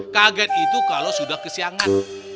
kaget itu kalau sudah kesiangan